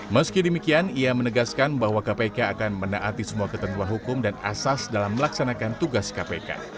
meski demikian ia menegaskan bahwa kpk akan menaati semua ketentuan hukum dan asas dalam melaksanakan tugas kpk